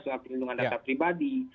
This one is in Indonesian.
soal perlindungan data pribadi